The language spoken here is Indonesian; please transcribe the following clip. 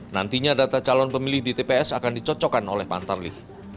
nantinya data calon pemilih di tps akan dicocokkan oleh pantarlih